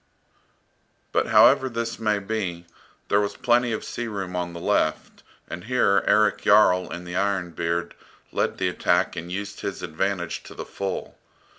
But however this may be, there was plenty of sea room on the left, and here Erik Jarl, in the "Iron Beard," led the attack and used his advantage to the full.